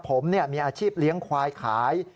ผมมีอาชีพเลี้ยงควายขาย